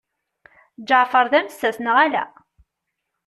Ǧeɛfer d amessas neɣ ala?